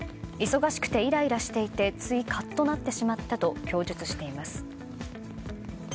忙しくてイライラしていてついカッとなってしまったと供述しています。